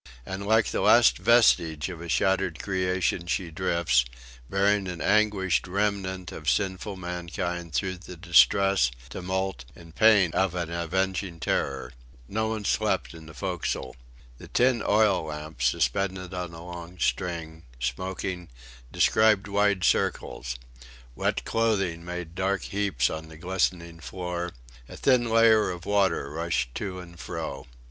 And like the last vestige of a shattered creation she drifts, bearing an anguished remnant of sinful mankind, through the distress, tumult, and pain of an avenging terror. No one slept in the forecastle. The tin oil lamp suspended on a long string, smoking, described wide circles; wet clothing made dark heaps on the glistening floor; a thin layer of water rushed to and fro.